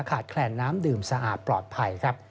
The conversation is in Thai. แคลนน้ำดื่มสะอาดปลอดภัยครับ